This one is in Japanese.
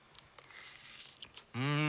うん！